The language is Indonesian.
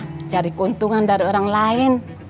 cuma cari keuntungan dari orang lain